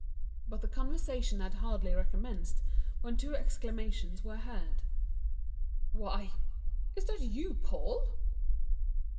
But the conversation had hardly recommenced when two exclamations were heard: "What! Is that you, Paul?"